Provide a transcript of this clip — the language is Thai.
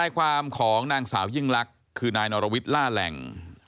ความของนางสาวยิ่งลักษณ์คือนายนรวิทย์ล่าแหล่ง